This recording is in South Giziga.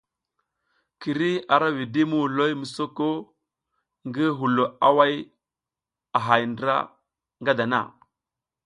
Kiri ara widi muhuloy mi soka ngi hulo away a hay ndra nga dana.